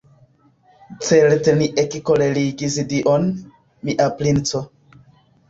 Certe ni ekkolerigis Dion, mia princo.